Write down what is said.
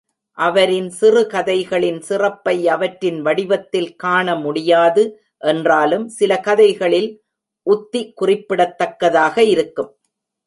அவரின் சிறுகதைகளின் சிறப்பை அவற்றின் வடிவத்தில் காண முடியாது என்றாலும் சில கதைகளில் உத்தி குறிப்பிடத்தக்கதாக இருக்கும்.